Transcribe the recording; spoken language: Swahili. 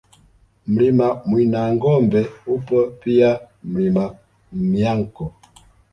Mlima Mwinangombe upo pia Mlima Myanko